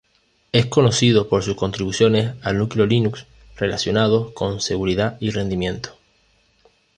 Es conocido por sus contribuciones al núcleo Linux relacionados con seguridad y rendimiento.